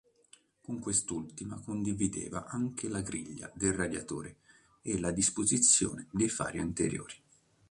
Con quest'ultima condivideva anche la griglia del radiatore e la disposizione dei fari anteriori.